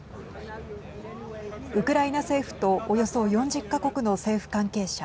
ウクライナ政府とおよそ４０か国の政府関係者